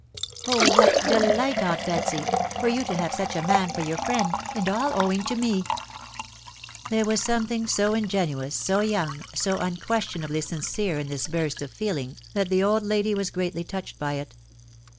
.... Oh ! what delight, aunt Betsy, lor you to have such a man for your friend !..•. and all owing to me !" There was something so ingenuous, so young, so unques tionably sincere in this burst of feeling, that the old lady was greatly touched by it.